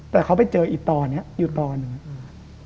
แต่เขาไปเจออีตอนนี้อีตอนนึง